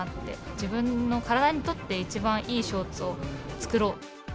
自分の体にとって一番いいショーツを作ろう。